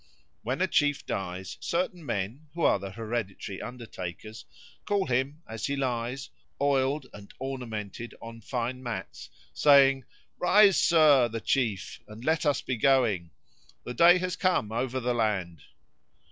When a chief dies, certain men, who are the hereditary undertakers, call him, as he lies, oiled and ornamented, on fine mats, saying, "Rise, sir, the chief, and let us be going. The day has come over the land."